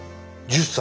１０歳？